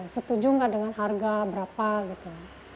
setuju nggak dengan harga berapa gitu